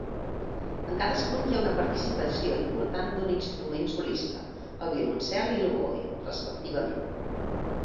En cadascun hi ha una participació important d'un instrument solista, el violoncel i l'oboè, respectivament.